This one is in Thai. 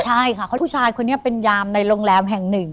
ใช่ค่ะเพราะผู้ชายคนนี้เป็นยามในโรงแรมแห่งหนึ่ง